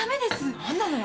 何なのよ？